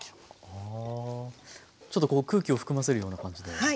ちょっとこう空気を含ませるような感じで。